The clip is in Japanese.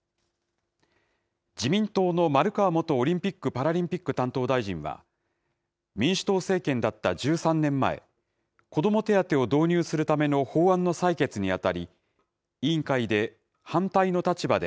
自民党の丸川元オリンピック・パラリンピック担当大臣は、民主党政権だった１３年前、子ども手当を導入するための法案の採決に当たり、委員会で反対の立場で、